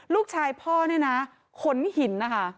ลูกชายพ่อเนี่ยนะขนหินนะคะ